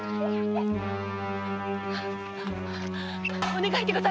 お願い。